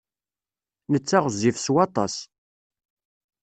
Netta ɣezzif s waṭas